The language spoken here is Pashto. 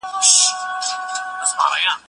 زه له سهاره د کتابتون پاکوالی کوم.